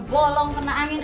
bolong pernah angin